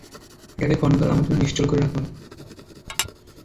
এটাকে ক্ষণকাল আমার জন্যে নিশ্চল করে রাখুন!